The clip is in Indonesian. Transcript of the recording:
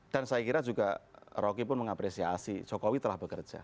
dan saya kira juga rogi pun mengapresiasi jokowi telah bekerja